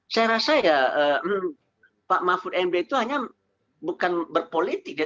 saya rasa ya pak mahfud md itu hanya bukan berpolitik ya